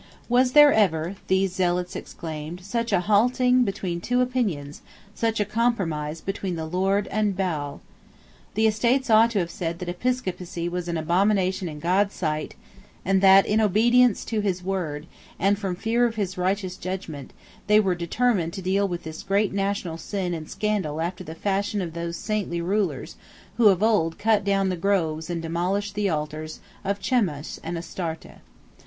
Was there ever, these zealots exclaimed, such a halting between two opinions, such a compromise between the Lord and Baal? The Estates ought to have said that episcopacy was an abomination in God's sight, and that, in obedience to his word, and from fear of his righteous judgment, they were determined to deal with this great national sin and scandal after the fashion of those saintly rulers who of old cut down the groves and demolished the altars of Chemosh and Astarte.